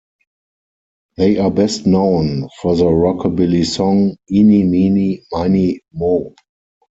They are best known for the rockabilly song, Eeny Meeny Miney Moe.